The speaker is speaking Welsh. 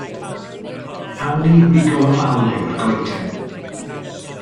Awn ni i bigo afalau o'r goeden.